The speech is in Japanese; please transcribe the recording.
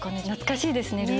懐かしいですね